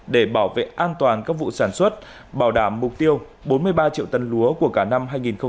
để bảo vệ an toàn các vụ sản xuất bảo đảm mục tiêu bốn mươi ba triệu tân lúa của cả năm hai nghìn hai mươi